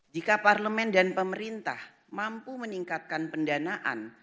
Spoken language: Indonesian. jika parlemen dan pemerintah mampu meningkatkan pendanaan